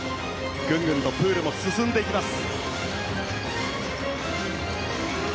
ぐんぐんとプールも進んでいきます。